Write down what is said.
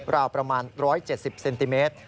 ราวประมาณ๑๗๐เซนติเมตร